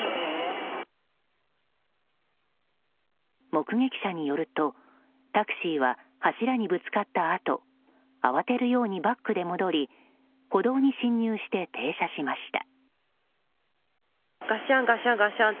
目撃者によると、タクシーは柱にぶつかったあと慌てるようにバックで戻り歩道に進入して停車しました。